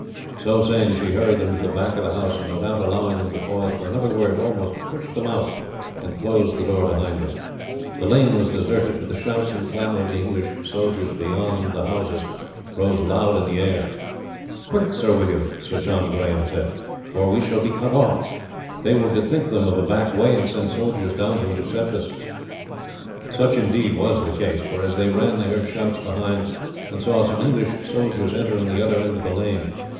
So saying, she hurried them to the back of the house, and without allowing them to pause for another word almost pushed them out, and closed the door behind them. The lane was deserted; but the shouts and clamour of the English soldiers beyond the houses rose loud in the air. "Quick, Sir William," Sir John Grahame said, "or we shall be cut off! They will bethink them of the back way, and send soldiers down to intercept us." Such, indeed, was the case, for as they ran they heard shouts behind, and saw some English soldiers entering the other end of the lane.